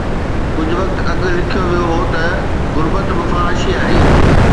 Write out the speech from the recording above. ڪجهه وقت اڳ لکيو ويو هو ته غربت به فحاشي آهي.